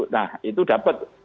nah itu dapat